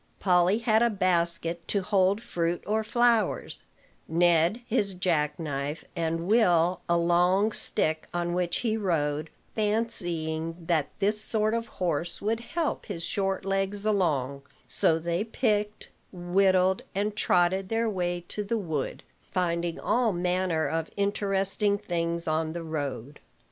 Polly had a basket to hold fruit or flowers, Ned his jackknife, and Will a long stick on which he rode, fancying that this sort of horse would help his short legs along; so they picked, whittled, and trotted their way to the wood, finding all manner of interesting things on the road.